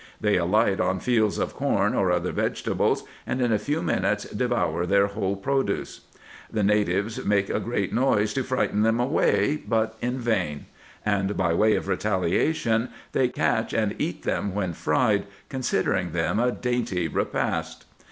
They alight on fields of corn, or other vegetables, and in a few minutes devour their whole produce. The natives make a great noise to frighten them away, but in vain; and, by way of retaliation, they catch and eat them when fried, considering them a dainty repast.